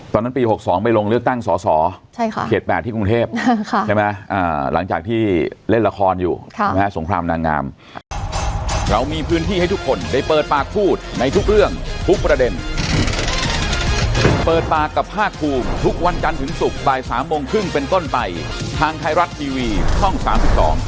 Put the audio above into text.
ตอนนั้นปี๖๒ไปลงเลือดตั้งสอสอเขตแบบที่กรุงเทพฯหลังจากที่เล่นละครอยู่สงครามนางงาม